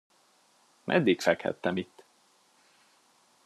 Meddig fekhettem itt?